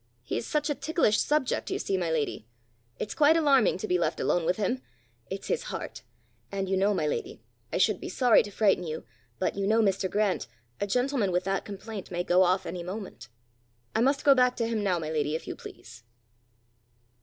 He's such a ticklish subject, you see, my lady! It's quite alarming to be left alone with him. It's his heart; and you know, my lady I should be sorry to frighten you, but you know, Mr. Grant, a gentleman with that complaint may go off any moment. I must go back to him now, my lady, if you please."